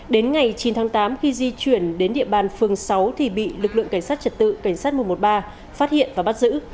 đến ngày chín tháng tám khi di chuyển đến địa bàn phường sáu thì bị lực lượng cảnh sát trật tự cảnh sát một trăm một mươi ba phát hiện và bắt giữ